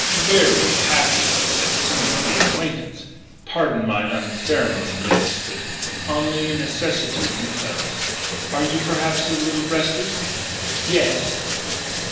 "Veree happee," he said, "to make the acquaintance. Pardon my unceremony, miss, but onlee necissitee compels. Are you, perhaps, a little rested?" "Yes."